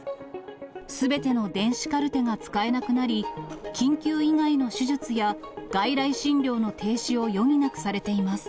すべての電子カルテが使えなくなり、緊急以外の手術や外来診療の停止を余儀なくされています。